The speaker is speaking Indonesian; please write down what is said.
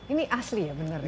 ini asli ya benarnya